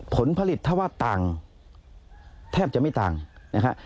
ผลผลิตถ้าว่าต่างแทบจะไม่ต่างนะฮะ